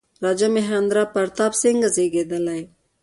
راجا مهیندرا پراتاپ سینګه زېږېدلی.